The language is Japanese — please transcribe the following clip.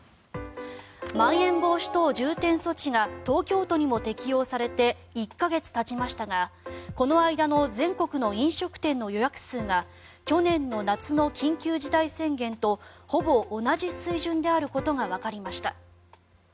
まん延防止等重点措置が東京都にも適用されて１か月たちましたがこの間の全国の飲食店の予約数が去年の夏の緊急事態宣言とほぼ同じ水準であることがわかりました。